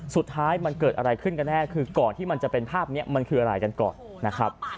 สุดท้ายมันเกิดอะไรขึ้นกันแน่คือก่อนที่มันจะเป็นภาพนี้มันคืออะไรกันก่อนนะครับ